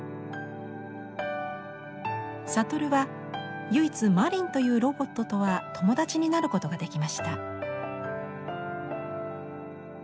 さとるは唯一「まりん」というロボットとは友達になることができました。